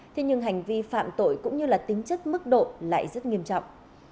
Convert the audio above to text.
thế nhưng hành vi phạm tội cũng như là tính chất mức độ lại rất nghiêm trọng